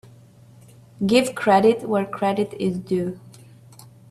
Give credit where credit is due.